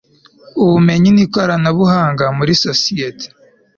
ubumenyi n ikoranabuhanga muri sosiyeti